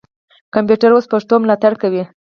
کمپیوټر اوس پښتو ملاتړ کوي.